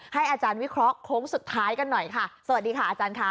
อาจารย์วิเคราะห์โค้งสุดท้ายกันหน่อยค่ะสวัสดีค่ะอาจารย์ค่ะ